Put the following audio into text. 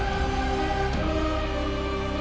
kapan kakanda akan kesana